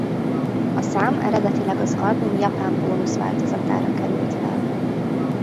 A szám eredetileg az album japán bónusz változatára került fel.